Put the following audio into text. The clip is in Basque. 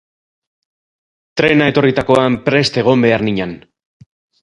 Trena etorritakoan prest egon behar ninan.